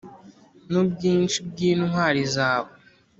N ubwinshi bw intwari zawe